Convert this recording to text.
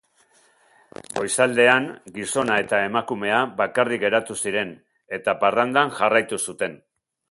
Goizaldean gizona eta emakumea bakarrik geratu ziren, eta parrandan jarraitu zuten.